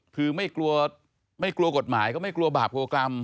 คือไม่กลัวกฎหมายก็ไม่กลัวบาปโกรธกรรม